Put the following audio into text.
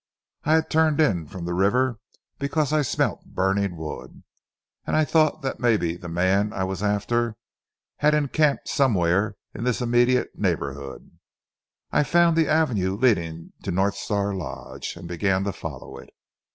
I had turned in from the river because I smelt burning wood. I thought that maybe the man I was after had encamped somewhere in this immediate neighbourhood. I found the avenue leading to North Star Lodge and began to follow it.